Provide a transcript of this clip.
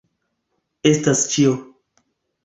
Estas ĉio.